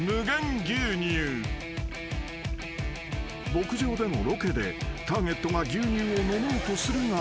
［牧場でのロケでターゲットが牛乳を飲もうとするが］